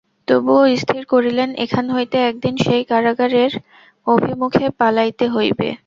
তবুও স্থির করিলেন, এখান হইতে একদিন সেই কারাগারের অভিমুখে পালাইতে হইবে।